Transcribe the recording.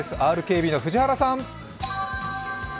ＲＫＢの冨士原さん。